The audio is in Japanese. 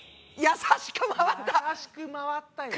優しく回ったよ。